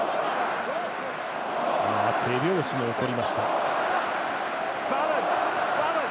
手拍子も起こりました。